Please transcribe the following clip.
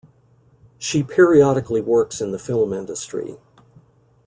She periodically works in the film industry.